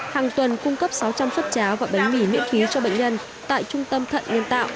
hàng tuần cung cấp sáu trăm linh suất cháo và bánh mì miễn phí cho bệnh nhân tại trung tâm thận nhân tạo